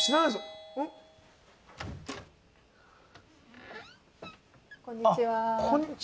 あっこんにちは。